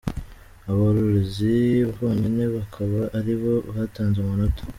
Abarorerezi bonyene bakaba ari bo batanze amanota.